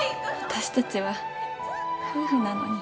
私たちは夫婦なのに。